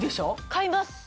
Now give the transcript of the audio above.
買います。